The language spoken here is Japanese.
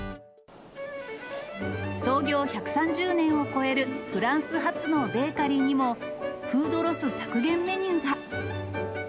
創業１３０年を超えるフランス発のベーカリーにも、フードロス削減メニューが。